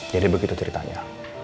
jadi begitu ceritanya